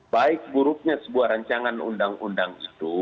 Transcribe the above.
baik buruknya sebuah rancangan undang undang itu